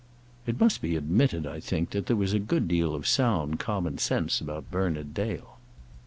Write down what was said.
It must be admitted, I think, that there was a great deal of sound, common sense about Bernard Dale.